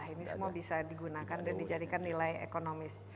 ini semua bisa digunakan dan dijadikan nilai ekonomis